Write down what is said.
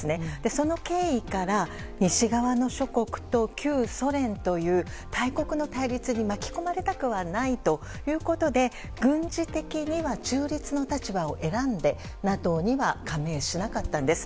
その経緯から西側諸国と旧ソ連という大国の対立に巻き込まれたくはないということで軍事的には中立の立場を選んでＮＡＴＯには加盟しなかったんです。